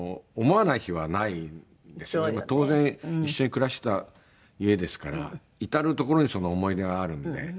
当然一緒に暮らしてた家ですから至る所に思い出があるんで。